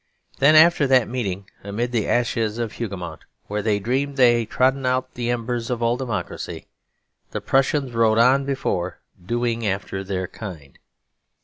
Then, after that meeting amid the ashes of Hougomont, where they dreamed they had trodden out the embers of all democracy, the Prussians rode on before, doing after their kind.